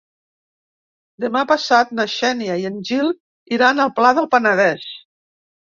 Demà passat na Xènia i en Gil iran al Pla del Penedès.